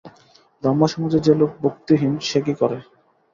ব্রাহ্মসমাজে যে লোক ভক্তিহীন সে কী করে?